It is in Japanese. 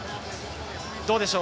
どうでしょう？